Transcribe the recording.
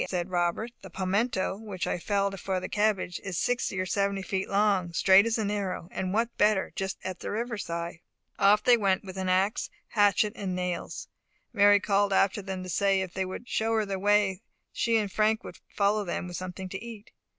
said Robert. "The palmetto, which I felled for the cabbage, is sixty or seventy feet long, straight as an arrow, and what is better, just at the river side." Off they went with ax, hatchet, and nails. Mary called after them to say, that if they would show her the way, she and Frank would follow them with something to eat.